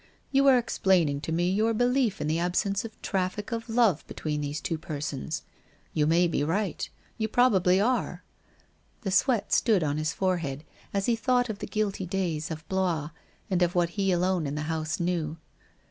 You are explaining to me your belief in the absence of traffic of love between these two persons. You may be right — you probably are.' The sweat stood on his forehead as he thought of the guilty days of Blois, and of what he alone in the house knew.